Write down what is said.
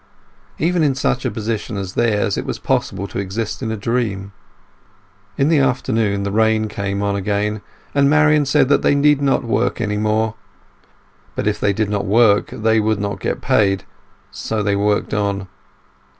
Even in such a position as theirs it was possible to exist in a dream. In the afternoon the rain came on again, and Marian said that they need not work any more. But if they did not work they would not be paid; so they worked on.